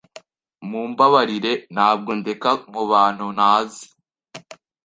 Mumbabarire, ntabwo ndeka mubantu ntazi.